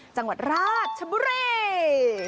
จังหวัดราชบุรี